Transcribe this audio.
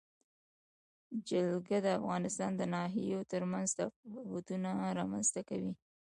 جلګه د افغانستان د ناحیو ترمنځ تفاوتونه رامنځ ته کوي.